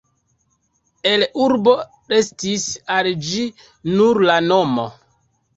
El urbo restis al ĝi nur la nomo.